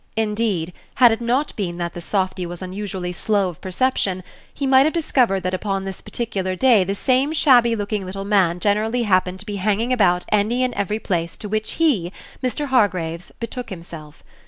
Indeed, had it not been that the softy was unusually slow of perception, he might have discovered that upon this particular day the same shabby looking little man generally happened to be hanging about any and every place to which he, Mr. Hargraves, betook himself.